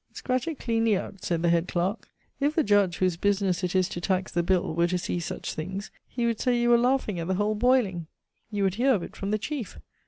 "Scratch it cleanly out," said the head clerk. "If the judge, whose business it is to tax the bill, were to see such things, he would say you were laughing at the whole boiling. You would hear of it from the chief!